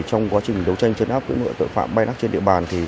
trong quá trình đấu tranh chấn áp tội phạm bayluck trên địa bàn